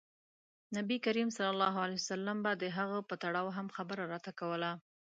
نبي کریم ص به د هغې په تړاو هم خبره راته کوله.